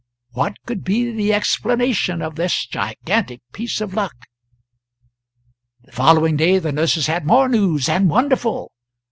What could be the explanation of this gigantic piece of luck? The following day the nurses had more news and wonderful.